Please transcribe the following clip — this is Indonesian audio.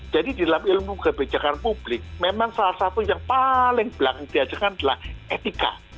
jadi di dalam ilmu kebijakan publik memang salah satu yang paling berlangsung di ajakkan adalah etika